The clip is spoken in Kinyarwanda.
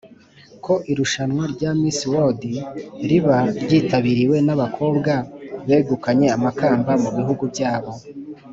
ko irushwanwa rya miss world riba ryitabiriwe n'abakobwa begukanye amakamba mu bihugu byabo